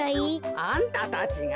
あんたたちが？